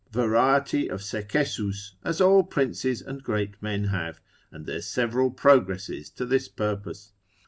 variety of secessus as all princes and great men have, and their several progresses to this purpose.